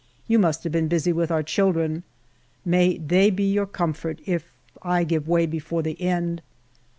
You must have been busy with our children. May they be your comfort if I give way before the end